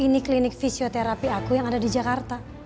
ini klinik fisioterapi aku yang ada di jakarta